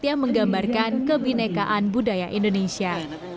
yang menggambarkan kebinekaan budaya indonesia